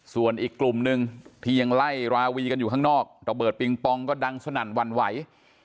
ส่วนอีกกลุ่มหนึ่งที่ยังไล่ราวีกันอยู่ข้างนอกระเบิดปิงปองก็ดังสนั่นหวั่นไหว